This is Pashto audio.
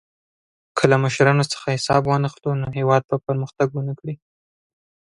که له مشرانو څخه حساب وانخلو، نو هېواد به پرمختګ ونه کړي.